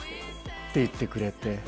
って言ってくれて。